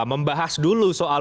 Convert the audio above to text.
membahas dulu soal